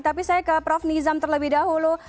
tapi saya ke prof nizam terlebih dahulu